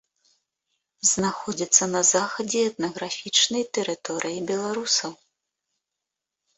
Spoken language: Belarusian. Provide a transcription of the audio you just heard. Знаходзіцца на захадзе этнаграфічнай тэрыторыі беларусаў.